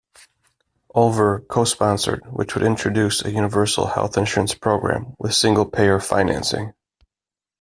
Olver co-sponsored which would introduce a universal health insurance program with single-payer financing.